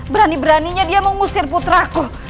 berani beraninya dia mengusir putraku